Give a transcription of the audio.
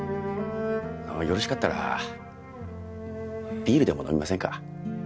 よろしかったらビールでも飲みませんか？